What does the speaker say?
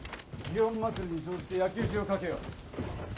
・園祭りに乗じて焼き討ちをかけよ。